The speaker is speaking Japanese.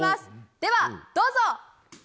では、どうぞ！